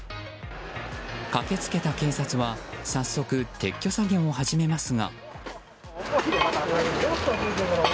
駆け付けた警察は早速、撤去作業を始めますが。